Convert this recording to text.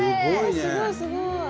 すごいすごい！